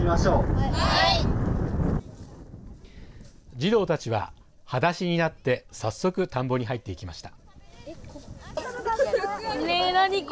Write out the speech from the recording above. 児童たちは、はだしになって早速田んぼに入っていきました。